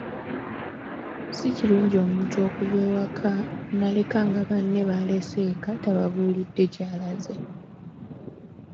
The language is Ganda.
Si kirungi omuntu okuva ewaka n’aleka nga banne b'alese eka tababuulidde gy’alaze.